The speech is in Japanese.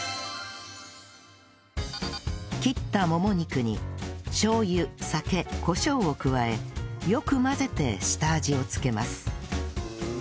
切ったもも肉にしょう油酒コショウを加えよく混ぜて下味をつけます